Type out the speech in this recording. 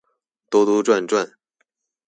兜兜转转